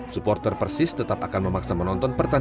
supporter persis tetap akan memaksa penonton perhitungan